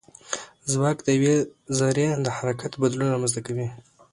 ځواک د یوې ذرې د حرکت بدلون رامنځته کوي.